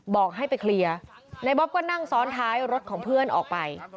บอกให้ไปเคลียร์ในบ๊อบก็นั่งซ้อนท้ายรถของเพื่อนออกไป